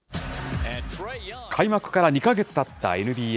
開幕から２か月たったＮＢＡ。